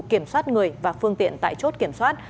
kiểm soát người và phương tiện tại chốt kiểm soát